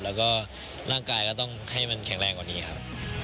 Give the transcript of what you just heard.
แล้วก็ร่างกายก็ต้องให้มันแข็งแรงกว่านี้ครับ